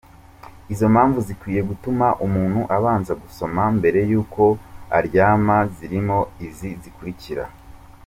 Izo mpamvu zikwiye gutuma umuntu abanza gusoma mbere y’uko aryama zirimo izi zikurikira:.